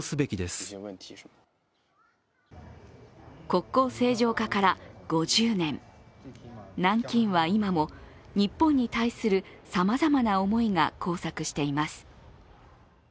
国交正常化から５０年、南京は今も日本に対するさまざまな思いが交錯しています。